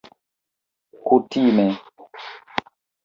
kutime